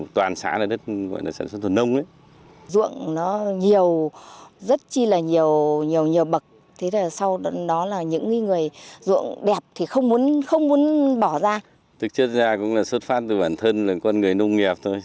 thật ra cũng là xuất phát từ bản thân là con người nông nghiệp thôi